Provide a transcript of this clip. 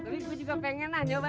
tapi gue juga pengen lah nyobain